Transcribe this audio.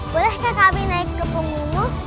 bolehkah kami naik ke punggung